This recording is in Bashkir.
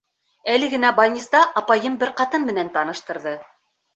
Әле генә бальниста апайым бер ҡатын менән таныштырҙы.